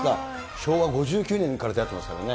昭和５９年から出会ってますからね。